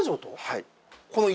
はい。